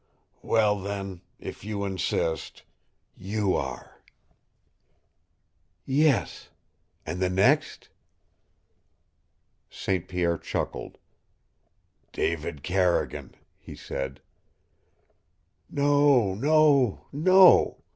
"Well, then, if you insist YOU are." "Yes. And the next?" St. Pierre chuckled. "David Carrigan," he said. "No, no, no!